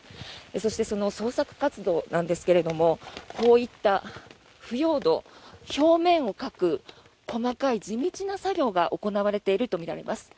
そしてその捜索活動なんですけれどもこういった腐葉土表面をかく細かい地道な作業が行われているとみられます。